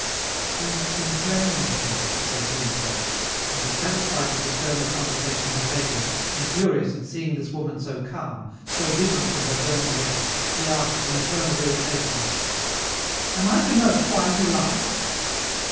"She has been playing with me," he said to himself, and dissatisfied with the turn the conversation had taken, and furious at seeing this woman so calm, so different from her burning letters, he asked, in a tone of irritation, "Am I to know why you laugh?"